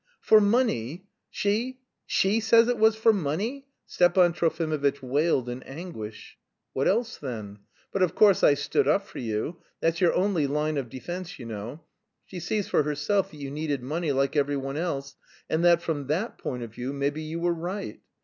"For money! She, she says it was for money!" Stepan Trofimovitch wailed in anguish. "What else, then? But, of course, I stood up for you. That's your only line of defence, you know. She sees for herself that you needed money like every one else, and that from that point of view maybe you were right.